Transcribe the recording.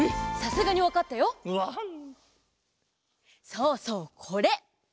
そうそうこれ！